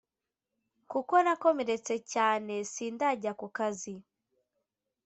kuko nakomeretse cyane sindajya kukazi